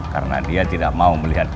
karena dia tidak mau melihat